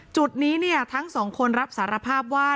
จุดนี้ทั้งสองคนรับสารภาพว่า